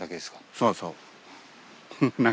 そうそう。